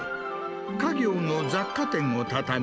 家業の雑貨店を畳み、